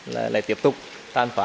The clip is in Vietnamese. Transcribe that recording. là lại tiếp tục tan phá